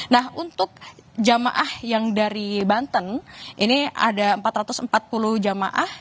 nah untuk jamaah yang dari banten ini ada empat ratus empat puluh jamaah